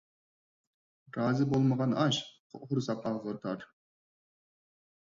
رازى بولمىغان ئاش قۇرساق ئاغرىتار.